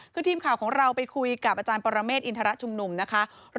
คือทีมข่าวของเราไปคุยกับอาจารย์ปรเมฆรองอธิบดีอายการ